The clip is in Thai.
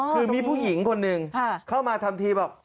คือมีผู้หญิงคนหนึ่งเข้ามาทำทีบอก